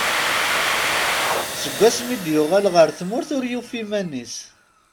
Seg wasmi i d-yuɣal ɣer tmurt ur yufi iman-is.